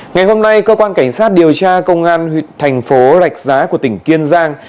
ngày hôm nay cơ quan cảnh sát điều tra công an huyện thành phố rạch giá của tỉnh kiên giang